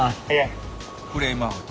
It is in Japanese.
フレームアウト。